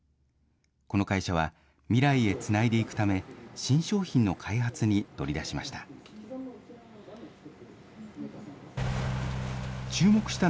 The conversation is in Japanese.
この会社は、未来へつないでいくため、新商品の開発に乗り出しました。